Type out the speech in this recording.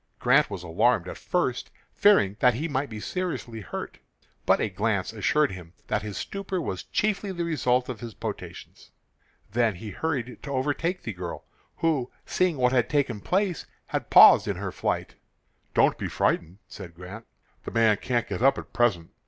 Grant was alarmed at first, fearing that he might be seriously hurt, but a glance assured him that his stupor was chiefly the result of his potations. Then he hurried to overtake the girl, who, seeing what had taken place, had paused in her flight. "Don't be frightened," said Grant. "The man can't get up at present.